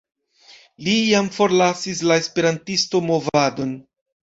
Li iam forlasis la esperantisto-movadon.